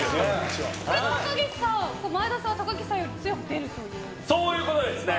高岸さん前田さんは高岸さんよりそういうことですね。